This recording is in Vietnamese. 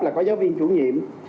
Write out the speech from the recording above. là có giáo viên chủ nhiệm